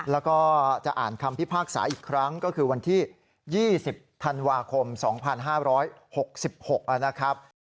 แล้วก็จะอ่านคำพิพากษาอีกครั้งก็คือวันที่๒๐ธันวาคม๒๕๖๖นะครับ